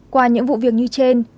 qua những vụ việc như trên